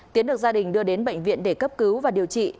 tiến được gia đình đưa đến bệnh viện để cấp cứu và điều trị